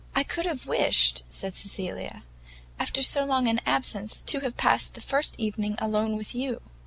"I could have wished," said Cecilia, "after so long an absence, to have passed this first evening alone with you."